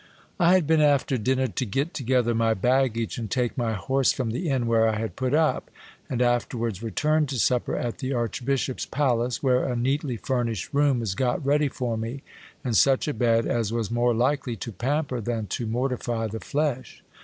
I had been after dinner to get together my baggage, and take my horse from the inn where I had put up, and afterwards returned to supper at the archbishop's palace, where a neatly furnished room was got ready for me, and such a bed as was more likely to pamper than to mortify the flesh.